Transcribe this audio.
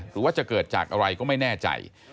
หรือว่าจะเกิดจากอะไรก็ไม่แน่ใจ